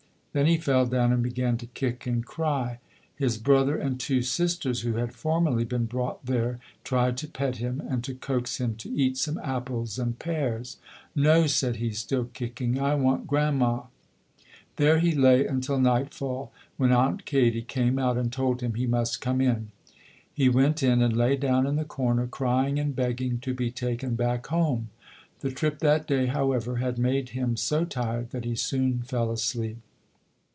Then he fell down and began to kick and cry. His brother and two sisters who had formerly been brought there tried to pet him, and to coax him to eat some apples and pears. "No", said he, still kicking, "I want Grandma". There he lay until nightfall, when Aunt Katie came out and told him he must come in. He went in and lay down in the corner, crying and begging to be taken back home. The trip that day, how ever, had made him so tired that he soon fell asleep.